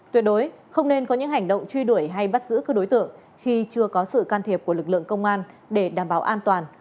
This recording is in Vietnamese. tuyệt đối không nên có những hành động truy đuổi hay bắt giữ các đối tượng khi chưa có sự can thiệp của lực lượng công an để đảm bảo an toàn